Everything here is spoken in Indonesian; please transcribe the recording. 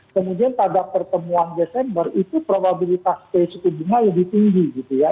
kemudian pada pertemuan desember itu probabilitas stay suku bunga lebih tinggi gitu ya